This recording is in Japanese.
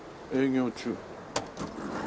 営業中。